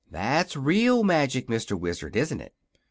That's real magic, Mr. Wizard; isn't it?